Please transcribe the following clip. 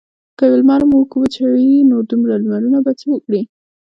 که یو لمر موږ وچوي نو ډیر لمرونه به څه وکړي.